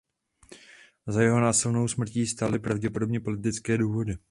Za jeho násilnou smrtí stály pravděpodobně politické důvody.